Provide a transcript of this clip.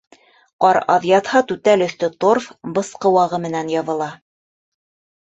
Ҡар аҙ ятһа, түтәл өҫтө торф, бысҡы вағы менән ябыла.